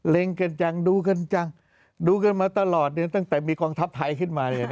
กันจังดูกันจังดูกันมาตลอดเนี่ยตั้งแต่มีกองทัพไทยขึ้นมาเนี่ย